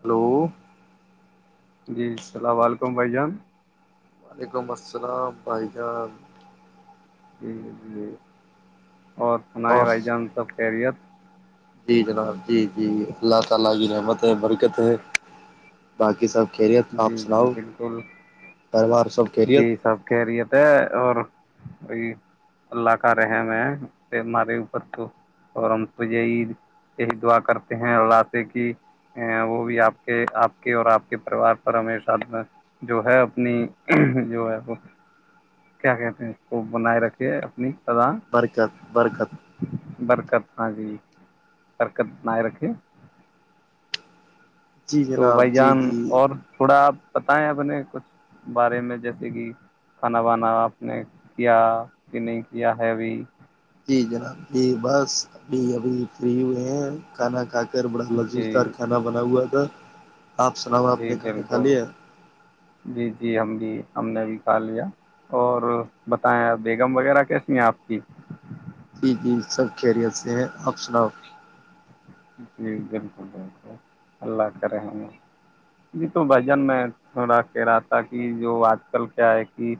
hello جی السلام علیکم بھائی جان وعلیکم السلام بھائی جان جی جی یہ اور سنیں بھائی جان سب خیریت [unintelligible] جی آپ جی سناؤ بالکل پریوار سب جی خیریت سب خریت ہے اور وہ اللہ کا رحم ہے ہمارے اوپر تو اور ہم تو یہ عید یہ دعا کرتے ہیں اللہ سے کہ وہ بھی آپ کے آپ کے اور آپ کے پریوار پر ہمیشات جو ہے اپنی جو ہے وہ کیا کہتے ہیں اس کو بنائے رکھھیے اپنی سدا برکت برکت [unintelligible] برکت ہاں جی کررکت نئے رکھے جی تو جناب بھائی جی جان جی اور تھوڑا بتائیں اپنے کچھ بارے میں جیسے کہ کھانا بانا آپ نے کیا کہ نہیں کیا ہےوی جی جناب جی بس ابھی ابھی فری ہوئے ہیں کھانا ک پیر بڑا لذیذ جی دار کھا بنا ہوا تھا آپ سناؤ آپ جی نے کھانا کھا بالکل لیا جی جی ہم بھی ہم نے بھی کھا لیا اور بتائیں آپ بیگم وغیرہ کیسی ہیں آپ کی جی جی سب خیریت سے ہیں آپ سناؤ جی بالکل بالکل اللہ کرے جی تو بھائی جان میں تھوڑا کہہ رہا تھا کہ جو آج کل کیا ہے کہ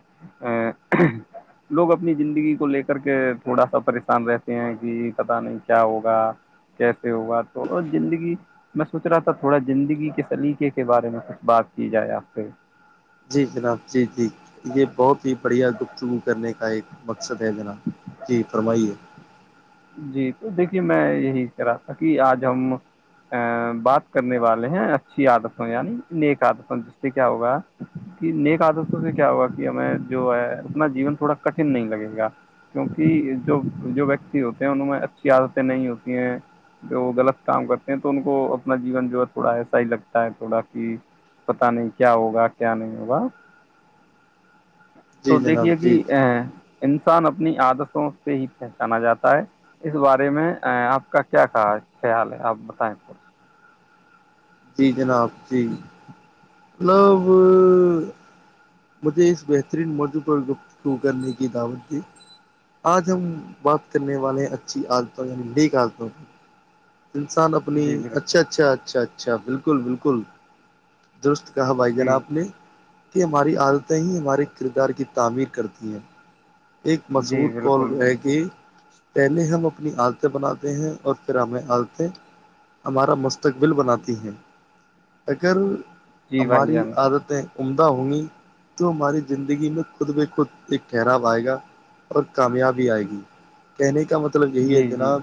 لوگ اپنی زندگی کو لے کر کے تھوڑا سا پریشان رہتے ہیں کہ پتا نہیں کیا ہوگا کیسے ہوا تو اور زندگی میں سوچ رہا تھا تھوڑا زندگی کے سلیقے کے بارے میں کچھ بات کی جائے آپ سے جی جناب جی جی یہ بہت ہی بڑھیا گفتگو کرنے کا ایک مقصد ہے جناب جی فرمائیے جی تو دیکھیے میں یہی کہہ رہا تھا کہ آج ہم ا بات کرنے والے ہیں اچھی عادتوں یعنی نیک آدتوں جس سے کیا ہوگا کہ نیک آدتوں سے کیا ہوگا کہ ہمیں جو ہے اپنا جیون تھوڑا کٹن نہیں لگے گا کیوںکہ جو جو و ہوتے ہیں ان میں اچھی عادتیں نہیں ہوتی ہیں جو وہ غلط کام کرتے ہیں تو ان کو اپنا جیون جو ہے تھوڑا ایسا ہی لگتا ہے تھوڑا کہ پت نہیں کیا ہوگا کیا نہیں ہوگا تو جی جناب دیکھیے کہ جی جی ا انسان اپنی عادتوں سے ہی پہچانا جاتا ہے اس بارے میں آپ کا کیا خیال ہے آپ بتائیں تھ جی جناب جی مطلب مجھے اس بہترین موضوع پر گفتگو کرنے کی دعوت دی آج ہم بات کرنے والے ہیں اچھی عادتوں یعنی نیک عادتوں کی انسان اپنی جی اچھا بالکل اچھا اچھا اچھا اچھا بالکل بالکل درست کہا بھائی جن جی آپ نے [unintelligible] کہ ہماری عادتیں ہی ہمارے کردار کی تعمیر کرتی ہیں ایک مشہور جی بالکل کال ہے بالکل کہ پہلے ہم اپنی عادتیں بناتے ہیں اور پھر ہمیں عادتیں ہمارا مستقبل بناتی ہیں اگر جی بھائی ہماری جان عادتیں عمدہ ہوں گی تو ہماری زندگی میں خود ب خود ایک ٹھہرا آئے گا اور کامیاب بھی آئے گی کہنے کے کا مطلب یہی ہے جی جی جناب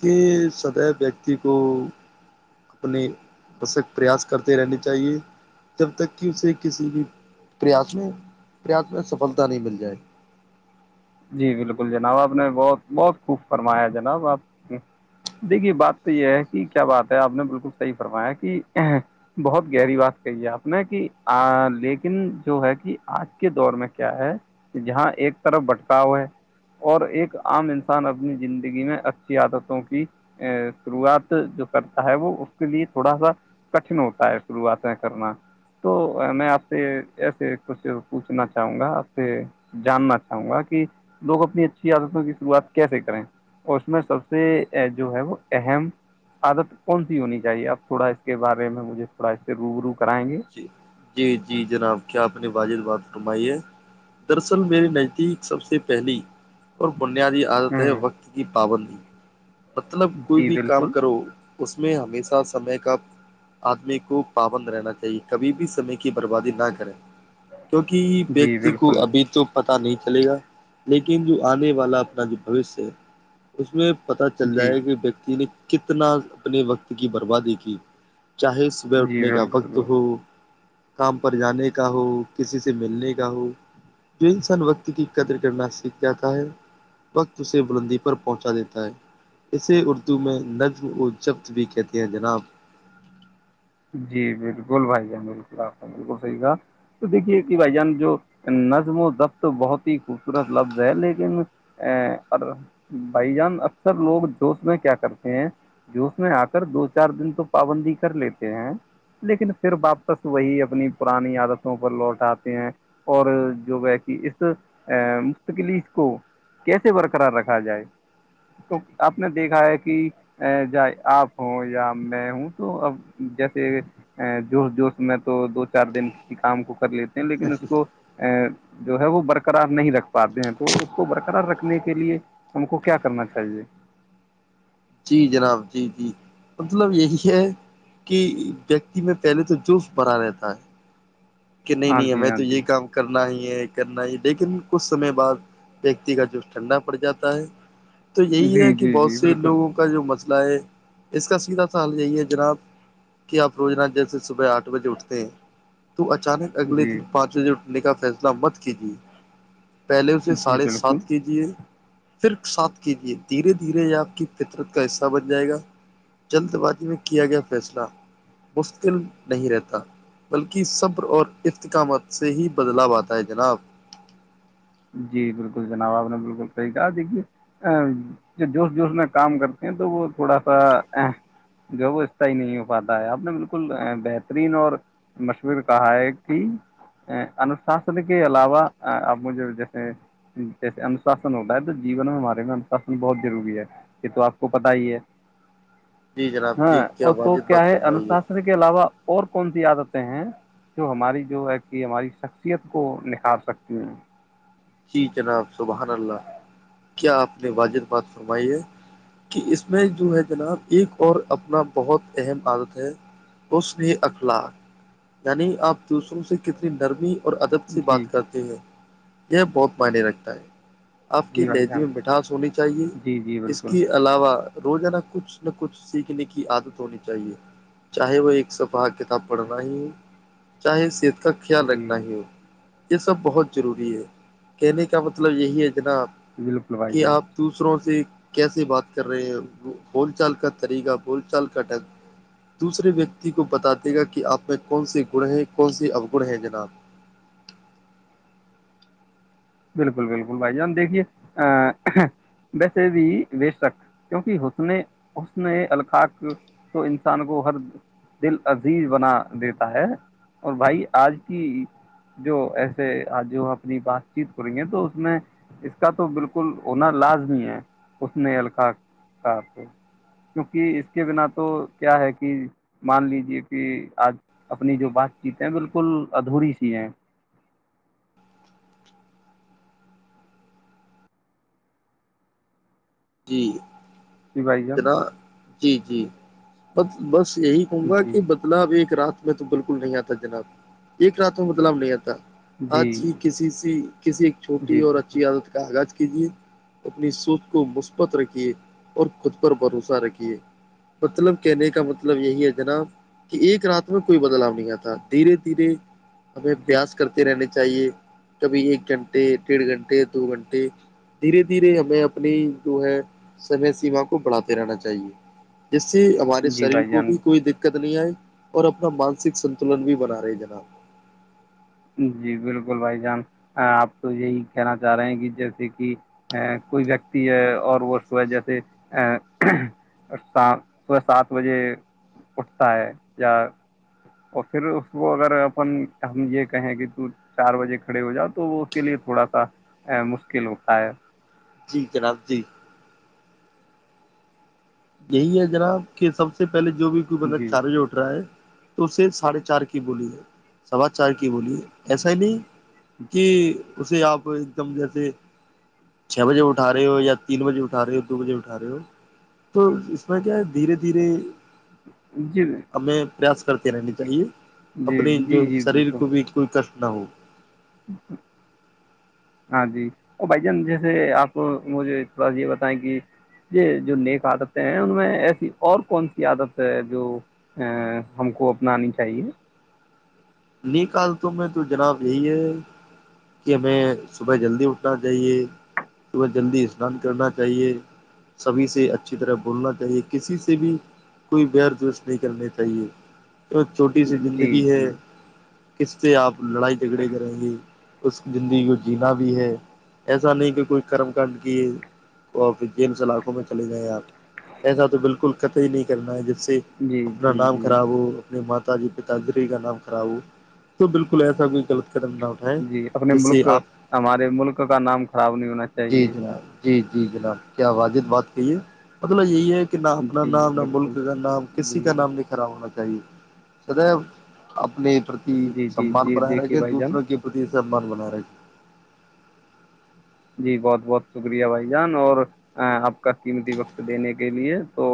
کہ سدیو ویکتی کو اپنے بسک پریاس کرتے رہنے چاہیے جب تک کہ اسے کسی بھی پریاس میں پریاس میں سفلتا نہیں مل جائے جی بالکل جناب آپ نے بہت بہت خوب فرمایا جناب آپ دیکھیے بات تو یہ ہے کہ کیا بات ہے آپ نے بالکل صحیح فرمایا کہ بہت گہری بات کہی ہے آپ نے کہ لیکن جو ہے کہ آج کے دور میں کیا ہے جہاں ایک طرف بٹ اور ایک عام انسان اپنی زندگی میں اچھی عادتوں کی شروعات جو کرتا ہے وہ اس کے لیے تھوڑا سا کٹن ہوتا ہے شروعاتیں کرنا تو میں آپ سے ایسے پوچھنا چاہوں گا آپ سے جاننا چاہوں گا کہ کہ لوگ اپنی اچھی عادتوں کی شروعات کیسے کریں اور اس میں سب سے جو ہے وہ اہم عادت کون سی ہونی چاہیے آپ تھوڑا اس کے بارے میں مجھے تھوڑا اس سے روب رو کرائیں گے جی جی جی جناب کیا آپ نے واجح بات فرمائی ہے دراصل میے نزدیک سب سے پہلی اور بنیادی عادت ہے ہوں وقت کی پابندی مطلب کوئی جی بھی کام بالکل کرو اس میں ہمیشہ سمے کا آدمی کو پابند رہنا چاہیے کبھی بھی سے کی بربادی نہ کریں کیونکہ جی ویکتی کو بالکل ابھی تو پت نہیں چلے گا لیکن جو آنے والا اپنا جو بوشیہ ہے اس میں پت چل جی جائے کہ ویکتی نے کتنا اپنے وقت کی بربادی کی چاہے صبح جی اٹھنے کا وقت بالکل ہو کام پر جانے کا ہو کسی سے ملنے کا ہو جو انسان وقت کی قدر کرنا سیکھ جاتا ہے وقت اسے بلندی پر پہنچا دیتا ہے اسے اردو میں نظم و جبط بھی کہتے ہیں جناب جی بالکل بھائی جان بالکل آ بالکل صحیح کہا تو دیکھیے کہ بھائی جان جو نظم و ضبط بہت ہی خوبصورت لفظ ہے لیکن ا بھائی جان اکثر لوگ جوش میں کیا کرتے ہیں جوش میں آ کر دو چار دن تو پابندی کر لیتے لیکن پھر واپس وہی اپنی پرانی عادتوں پر لوٹ آے ہیں اور جو ہے کہ اس مستقلی کو کیسے برقرار رکھا جائے تو آپ نے دیکھا ہے کہ جاہ آپ ہوں یا میں ہوں تو اب جیسے جوش جوش میں تو دو چار دن کسی کام کو کر لیتا لیکن اس کو جو ہے وہ برقرار نہیں رکھ پاتے ہیں تو اس کو برقرار رکھنے کے لیے ہم کو کیا کرنا چاہیے جی جناب جی جی مطلب یہی ہے کہ ویکتی میں پہلے تو جرف بھرا رہتا ہے کہ نہیں ہاں نہیں جی ہمیں ہاں تو جی یہی کام کرنا ہی کرنا ہی لیکن کچھ سمے بعد ویکتی کا جوش ٹھنڈا پڑ جاتا ہے تو یہی ہے جی کہ جی بہت جی سے بالکل لوگ جو مسئلہ ہے اس کا سیدھا سال یہی ہے جناب کہ آپ روجناہ جیسے صبح آٹھ بجے اٹھتے ہیں تو اچانک اگے دن جی پانچ بجے نے کا فیصلہ مت کیجیے پہلے اسے جی ساڑھے بالکل سات کے جی ہے پھر سات کیجیے دھیرے دھیرے آپ کی فطرت کا حصہ بن جائے گا جلد بازی میں کیا گیا فیصلہ مشکل نہیں رہتا بلکہ صبر اور افتکامات سے ہی بدلاؤ آتا ہے جناب جی بالکل جناب آپ نے بالکل صحیح کہا دیکھیے جو جوش جوش میں کام کرتے ہیں تو وہ تھوڑا سا جو ہے وہ استائی نہیں ہو پاتا ہے آپ نے بالکل بہترین اور مشور کہا ہے کہ انوشاسن کے علاوہ آپ مجھے جیسے جیسے انشاسن ہوتا ہے تو جیون ہمارے میں انشاسن بہت ضروری ہے یہ تو آپ کو پتا ہی ہے جی جناب ہاں جی کیا اور تو واجب بات کیا ہے فرمائی انوشاسن کے علاوہ اور کون سی عادتیں ہیں جو ہماری جو ہے کہ ہماری شخصیت کو نکھار سکتی ہیں جی جناب سبحان اللہ کیا آپ نے واجح بات فرمائی ہے کہ اس میں جو ہے جناب ایک اور اپنا بہت اہم عادت ہے رشن اخلاق یعنی آپ دوسروں سے کتنی نرمی اور ادب سی جی بات کرتے ہیں یہ بہت منی رکھتا ہے آپ کے جی بھائی لہجی میں جان مٹھاس ہونی چاہیے جی جی اس بالکل کے علاوہ روزانہ کچھ نہ کچھ سیکھنے کی عادت ہونی چاہیے چاہے وہ ایک صفح کتاب پڑھنا ہی چاہے س ت کا خیال جی رکھنا ہی ہو یہ سب بہت ضروری ہے کہنے کا مطلب یہی ہے جنا بالکل بھائی کہ جان آپ دوسروں سے کیسے بات کر رہے ہیں وہ بول چال کا طریقہ بول چال کا ڈھنگ دوسرے ویکتی کو بت دے گا کہ آپ میں کون سے گڑ ہیں کون سے اوگن ہیں جناب بالکل بالکل بھائی جان دیکھیے ا ویسے بھی بے شک کیونکہ حسن حسن الخق تو انسان کو ہر دل عزیز بنا دیتا ہے اور بھائی آج کی جو ایسے آ جو اپنی بات چیت کریں گے تو اس میں اس کا تو بالکل ہونا لازمی ہے اس نے القا کا کو کیونکہ اس کے بنا تو کیا ہے کہ مان لیجے کہ آج اپنی جو بات چیت ہے بالکل ادھوری سی ہے جی سی بھائی جان جناب جی جی ب بس یہی کہوں گا جی کہ بدلا ویک رات میں تو بالکل نہیں آتا جناب ایک رات میں بدلاؤ نہیں آتا جی آج ہی کسی س کسی ایک چھوٹی جی اور بالکل اچھی عادت کا آغاز کیجیے اپنی سوچ کو مشکل ت رکھیے اور خود پر بھروسہ رکھیے مطلب کہنے کا مطلب یہی ہے جناب کہ ایک رات میں کوئی بدلاؤ نہیں آتا دھیرے دھیرے ہمبیں جی پیاس کرتے رہنے چاہیے کبھی ایک گھنٹے ڈیڑھ گھنٹے دو گھنٹے دھیرے دھیرے ہمیں اپنی جو ہے سمے سیما کو بڑھاتے رہنا چاہیے جس سے ہمارے جی شریر بھائی کو جان بھی کوئی دقت د نہیں آئے اور اپنا مانسک سنتلن بھی بنا رہے جناب جی بالکل بھائی جان آپ تو یہی کہنا چاہ رہے ہیں کہ جیسے کہ کوئی ویکتی ہے اور وہ صبح جیسے صبح سات بجے اٹھتا ہے یا پھر اس کو اگر اپن ہم یہ کہیں کہ تو چار بجے کھڑے ہو جا تو وہ اس کے لیے تھوڑا سا مشکل ہوتا ہے جی جناب جی یہی ہے جناب کہ سب سے پہلے جو بھی کوئی بندہ جی چارج اٹ رہا ہے تو اسے ساڑھے چار کی بولی ہے سوا چار کی بولی ہے ایسا ہی نہیں کہ اسے آپ ایک دم جیسے چھ بجے اٹھا رہے ہو یا تین بجے اٹھا رہے ہو دو بجے اٹھا رہے ہو تو اس میں کیا ہے دھیرے دھیرے جی میں ہمیں پریاس کرتے رہنے چاہیے اپنی جو جی جی شریر بالکل کو بھی کوئی کر نو ہاں جی اور بھائی جان جیسے آپ مجھے تھوڑا سا یہ بتائیں کہ یہ جو نیک عادتیں ہیں ان میں ایسی اور کون سی عادت ہے جو ا ہم کو اپنانی چاہیے نکالتوں میں تو جناب یہی ہے کہ ہمیں صبح جلدی اٹھنا چاہیے صبح جلدی اسنان کرنا چاہیے سبھی سے اچھی طرح بولنا چاہیے کسی سے بھی کوئی بیرس نہیں کرنی چاہیے چھوٹی سی جی زندگی ہے جی کس سے آپ لڑائی جھگڑے کریں گے اس زندگی کو جینا بھی ہے ایسا نہیں کہ کوئی کرم کانڈ کیے تو پھر جیل سے علاقوں میں چلے جائیں آپ ایسا تو بالکل کط ہی نہیں کرنا ہے جس سے جی اپنا جی نام جی خراب ہو اپنی مات پا جی پتا گری کا نام خڑا ہو تو بالکل ایسا کوئیل کر جی اپنے ملک ہمارے ملک کا نام خراب نہیں ہونا جی چاہیے جناب جی جی جناب کیا واجد بات کہیے مطلب یہی ہے کہ نہ اپنا جی نام نہ بالکل ملک کا نام کسی جی کا نام نہیں کڑا ہونا ے سد اپنی جی جی سمان جی بنا رہے دیکھیے گے بھائی جان دوسروں کےتی زبان بلار جی بہت بہت شکریہ بھائی جان اور آپ کا قیمتی وقت دینے کے لیے تو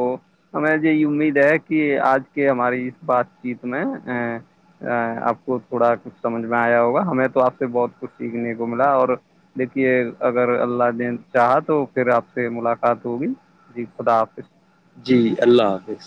ہمیں یہ یہ امید ہے کہ آج کے ہماری اس بات چیت میں ا آپ کو تھوڑا کچھ سمجھ میں آیا ہوگا ہمیں تو آپ سے بہت کچھ سیکھنے کو ملا اور دیکے یہ اگر اللہ نے چاہا تو پھر آپ سے ملاقات ہوگی جی خدا حافظ جی اللہ حافظ